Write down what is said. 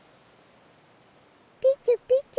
ピチュピチュ。